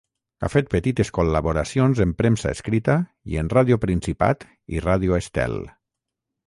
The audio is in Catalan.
Ha fet petites col·laboracions en premsa escrita i en Ràdio Principat i Ràdio Estel.